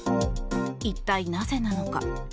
一体なぜなのか。